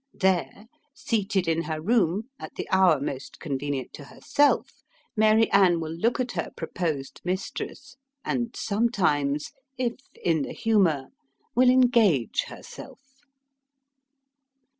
' There, seated in her room, at the hour most con venient to herself, Mary Anne will look at her proposed mistress, and sometimes, if in the humour, will engage herself.